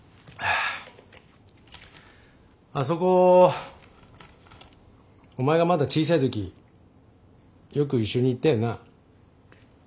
あそこお前がまだ小さい時よく一緒に行ったよな。